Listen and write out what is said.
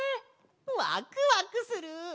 ワクワクする！